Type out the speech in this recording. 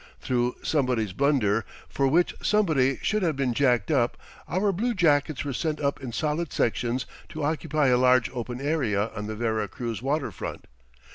Through somebody's blunder, for which somebody should have been jacked up, our bluejackets were sent up in solid sections to occupy a large open area on the Vera Cruz water front.